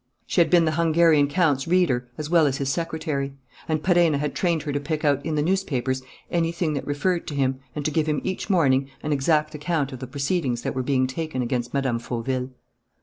She had been the Hungarian count's reader as well as his secretary; and Perenna had trained her to pick out in the newspapers anything that referred to him, and to give him each morning an exact account of the proceedings that were being taken against Mme. Fauville.